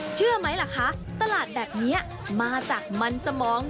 เชื่อไหมล่ะคะตลาดแบบนี้มาจากมันสมอง